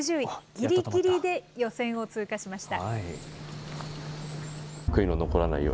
ぎりぎりで予選を通過しました。